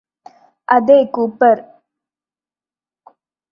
അതെ കൂപര്